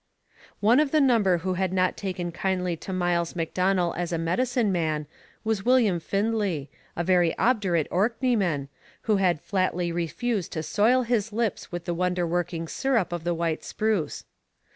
One of the number who had not taken kindly to Miles Macdonell as a 'medicine man' was William Findlay, a very obdurate Orkneyman, who had flatly refused to soil his lips with the wonder working syrup of the white spruce.